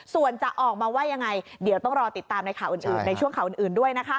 ส่วนจะออกมาว่ายังไงเดี๋ยวต้องรอติดตามในข่าวอื่นในช่วงข่าวอื่นด้วยนะคะ